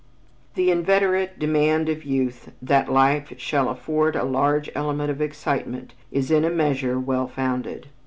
This inveterate demand of youth that life shall afford a large element of excitement is in a measure well founded.